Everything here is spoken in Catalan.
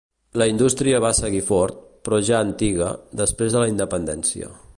La indústria va seguir fort, però ja antiga, després de la independència.